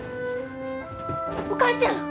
お母ちゃん！